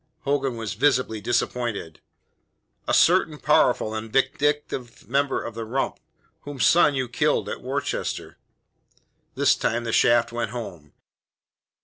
Hogan was visibly disappointed. "A certain powerful and vindictive member of the Rump, whose son you killed at Worcester." This time the shaft went home.